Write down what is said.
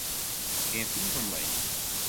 Gean fiif omleech.